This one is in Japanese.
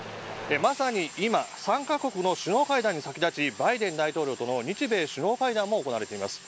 まさに今、三カ国の首脳会談に先立ちバイデン大統領との日米首脳会談も行われています。